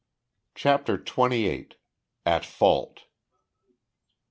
CHAPTER TWENTY EIGHT. AT FAULT.